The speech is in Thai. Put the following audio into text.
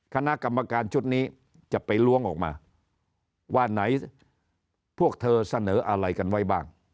คณะกรรมการชุดนี้จะไปล้วงออกมาว่าไหนพวกเธอเสนออะไรกันไว้บ้าง